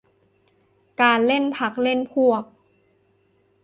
การเล่นพรรคเล่นพวก